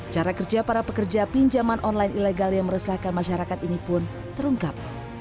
cara kerja para pekerja pinjaman online ilegal yang meresahkan masyarakat ini pun terungkap